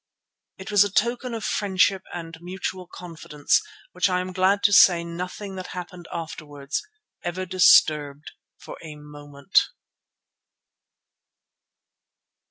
It was a token of friendship and mutual confidence which I am glad to say nothing that happened afterwards ever disturbed for a moment.